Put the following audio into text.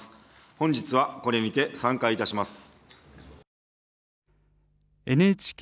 本日はこれにて散会いたします。